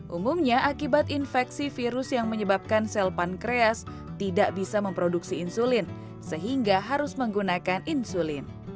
umumnya akibat infeksi virus yang menyebabkan sel pankreas tidak bisa memproduksi insulin sehingga harus menggunakan insulin